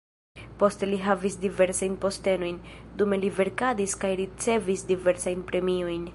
Poste li havis diversajn postenojn, dume li verkadis kaj ricevis diversajn premiojn.